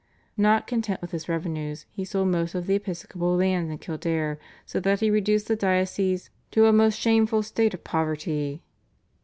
Not content with his revenues, he sold most of the episcopal lands in Kildare so that he reduced the diocese "to a most shameful state of poverty."